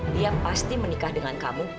dia pasti menikah dengan kamu